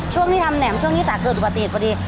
ช่วงที่ทำแหม่มช่วงที่สาเกิดอุบัติเหตุพอดี